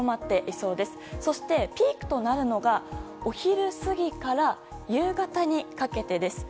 そしてピークとなるのがお昼過ぎから夕方にかけてです。